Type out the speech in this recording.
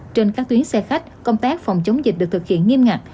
trên các tuyến xe khách công tác phòng chống dịch được thực hiện nghiêm ngặt